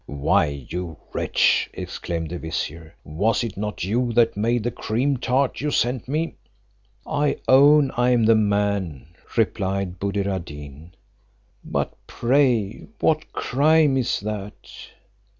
"Why, you wretch," exclaimed the vizier "was it not you that made the cream tart you sent me?" "I own I am the man," replied Buddir ad Deen, "but pray what crime is that?"